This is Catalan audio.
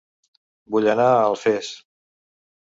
Vull anar a Alfés